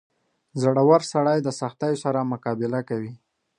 • زړور سړی د سختیو سره مقابله کوي.